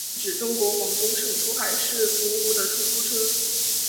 珠海出租车是指在中国广东省珠海市服务的出租车。